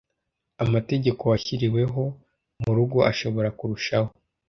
amategeko washyiriweho mu rugo ashobora kurushaho